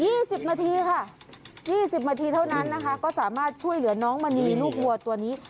สิบนาทีค่ะยี่สิบนาทีเท่านั้นนะคะก็สามารถช่วยเหลือน้องมณีลูกวัวตัวนี้